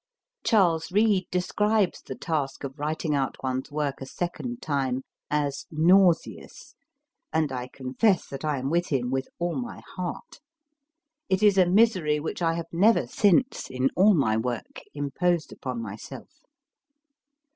Charles Reade describes the task 1 of writing out one s work a second time as nauseous/ and I confess that I am with him with all my heart. It is a misery which I have never since, in all my work, imposed upon myself.